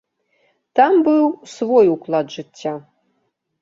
Там быў свой уклад жыцця.